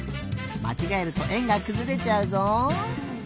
まちがえるとえんがくずれちゃうぞ。